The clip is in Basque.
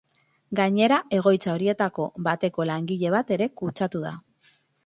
Gainera, egoitza horietako bateko langile bat ere kutsatu da.